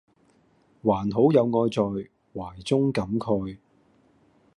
還好有愛在懷中感慨